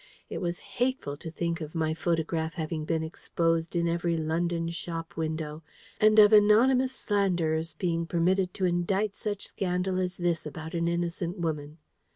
It was hateful to think of my photograph having been exposed in every London shop window, and of anonymous slanderers being permitted to indite such scandal as this about an innocent woman.